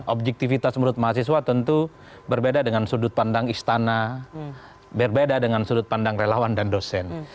objektivitas menurut mahasiswa tentu berbeda dengan sudut pandang istana berbeda dengan sudut pandang relawan dan dosen